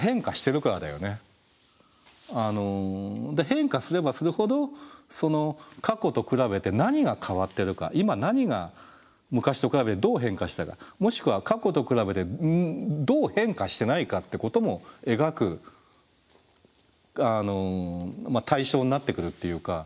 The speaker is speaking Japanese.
変化すればするほど過去と比べて何が変わってるか今何が昔と比べてどう変化したかもしくは過去と比べてどう変化してないかってことも描く対象になってくるっていうか。